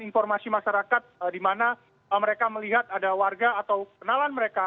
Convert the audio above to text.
informasi masyarakat di mana mereka melihat ada warga atau kenalan mereka